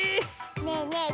ねえねえ